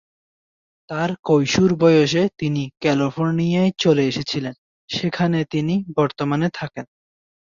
তার কৈশোর বয়সে, তিনি ক্যালিফোর্নিয়ায় চলে এসেছিলেন, যেখানে তিনি বর্তমানে থাকেন।